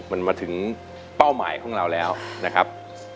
มันมาถึงเป้าหมายของเราแล้วนะครับ